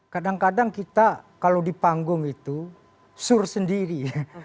kadang kadang kita kalau di panggung itu sur sendiri